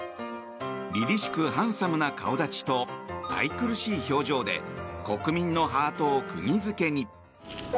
りりしくハンサムな顔立ちと愛くるしい表情で国民のハートを釘付けに。